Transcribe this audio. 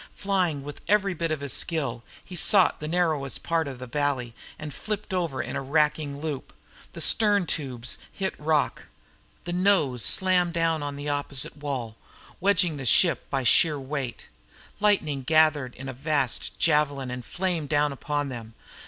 Flying with every bit of his skill, he sought the narrowest part of the valley and flipped over in a racking loop. The stern tubes hit rock. The nose slammed down on the opposite wall, wedging the ship by sheer weight. Lightning gathered in a vast javelin and flamed down upon them.